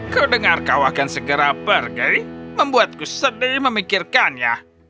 kau dengar kau akan segera pergi membuatku sedih memikirkannya